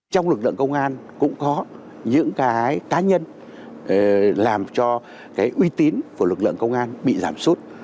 trong lực lượng công an cũng có những cái cá nhân làm cho cái uy tín của lực lượng công an bị giảm sút